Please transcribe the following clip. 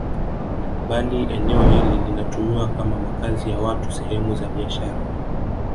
Bali eneo hili linatumiwa kama makazi ya watu sehemu za biashara